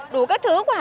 đủ các thứ